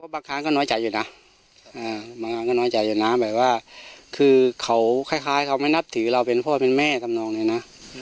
บางครั้งก็น้อยใจอยู่นะบางครั้งก็น้อยใจอยู่นะแบบว่าคือเขาคล้ายเขาไม่นับถือเราเป็นพ่อเป็นแม่ทำนองเนี่ยนะ